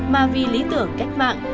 mà vì lý tưởng cách mạng